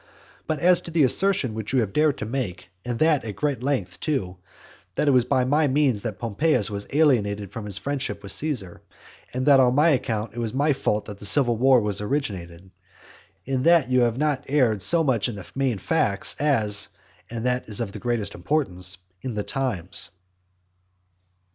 But as to the assertion that you have dared to make, and that at great length too, that it was by my means that Pompeius was alienated from his friendship with Caesar, and that on that account it was my fault that the civil war was originated; in that you have not erred so much in the main facts, as (and that is of the greatest importance) in the times.